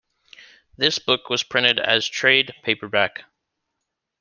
This book was printed as a trade paperback.